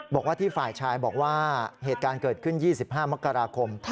บอกว่าที่ฝ่ายชายบอกว่าเหตุการณ์เกิดขึ้น๒๕มกราคม